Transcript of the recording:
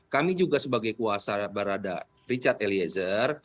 kami juga sebagai kuasa barada richard eliezer